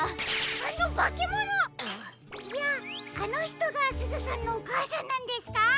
あのばけものいやあのひとがすずさんのおかあさんなんですか？